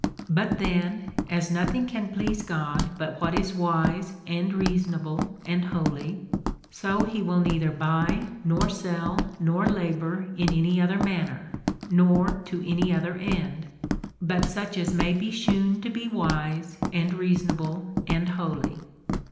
But then, as nothing can please God but what is wise, and reasonable, and holy, so he will neither buy, nor sell, nor labour in any other manner, nor to any other end, but such as may be shewn to be wise, and reasonable, and holy.